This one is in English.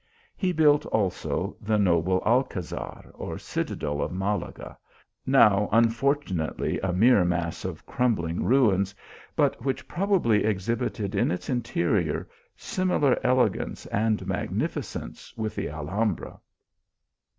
He ouilt also the noble Alcazar, or citadel of Malaga ; now unfortunately a mere mass of crum bling ruins, but which, probably, exhibited in its in terior similar elegance and magnificence with the Alhambra.